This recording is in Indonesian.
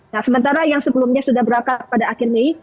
nah sementara yang sebelumnya sudah berangkat pada akhir mei